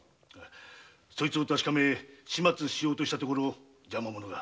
それを確かめ始末しようとしたところ邪魔者が。